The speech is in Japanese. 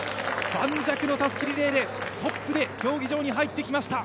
盤石のたすきリレーでトップで競技場に入ってきました。